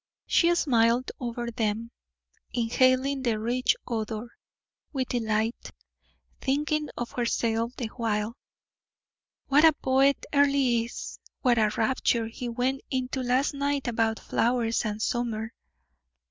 She smiled over them, inhaling the rich odor with delight, thinking to herself the while, "What a poet Earle is; what a rapture he went into last night about flowers and summer."